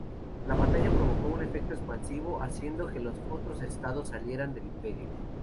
La batalla provocó un efecto expansivo haciendo que los otros estados salieran del imperio.